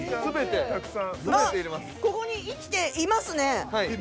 ここに生きていますね。